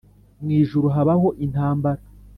Mu ijuru habaho intambara.